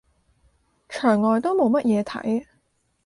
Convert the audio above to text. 牆外都冇乜嘢睇